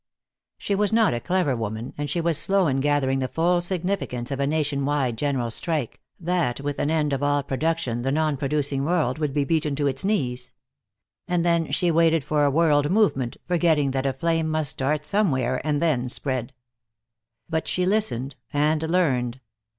She was not a clever woman, and she was slow in gathering the full significance of a nation wide general strike, that with an end of all production the non producing world would be beaten to its knees. And then she waited for a world movement, forgetting that a flame must start somewhere and then spread. But she listened and learned.